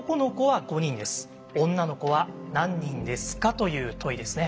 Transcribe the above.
という問いですね。